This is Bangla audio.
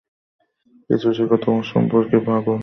কিছু শেখ তোমার সম্পর্কে পাগল?